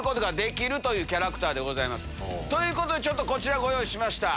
ということでこちらご用意しました。